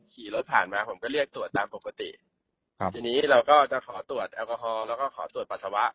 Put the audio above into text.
ขี่รถผ่านมาผมก็เรียกตรวจตามปกติครับทีนี้เราก็จะขอตรวจแอลกอฮอลแล้วก็ขอตรวจปัสสาวะ